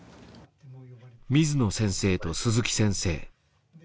水野先生と鈴木先生